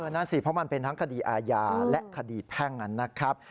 นั่นสิเพราะมันเป็นทั้งคดีอาญาและคดีแพ่งนะครับ